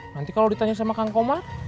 nanti kalau ditanya sama kang koma